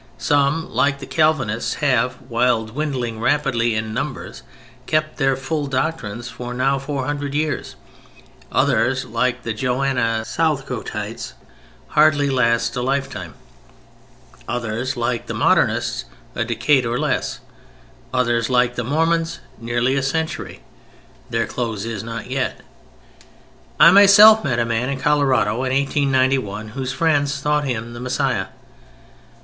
Some, like the Calvinists, have, while dwindling rapidly in numbers, kept their full doctrines for now four hundred years, others like the Johanna Southcottites hardly last a lifetime: others like the Modernists a decade or less: others like the Mormons near a century, their close is not yet. I myself met a man in Colorado in 1891 whose friends thought him the Messiah.